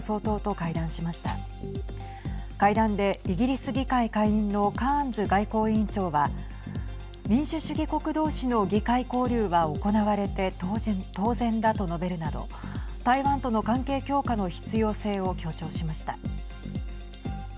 会談でイギリス議会下院のカーンズ外交委員長は民主主義国同士の議会交流は行われて当然だと述べるなど台湾との関係強化の必要性を強調しました。